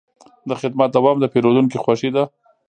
د خدمت دوام د پیرودونکي خوښي ده.